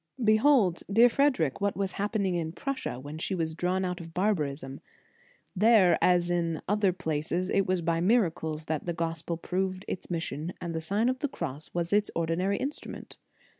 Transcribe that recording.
Behold, dear Frederic, what was happen ing in Prussia when she was drawn out of barbarism. There, as in other places, it was by miracles that the Gospel proved its mission, and the Sign of the Cross was its ordinary instrument.